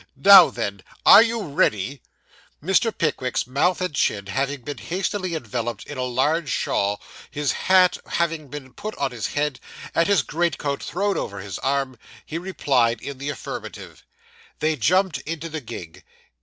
Now then, are you ready?' Mr. Pickwick's mouth and chin having been hastily enveloped in a large shawl, his hat having been put on his head, and his greatcoat thrown over his arm, he replied in the affirmative. They jumped into the gig.